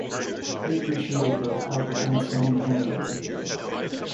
He appreciated both Albert Einstein and relativity.